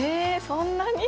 そんなに。